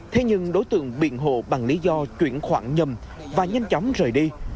thế nhưng đối tượng biện hộ bằng lý do chuyển khoản nhầm và nhanh chóng rời đi